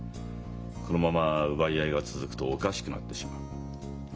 このまま奪い合いが続くとおかしくなってしまう。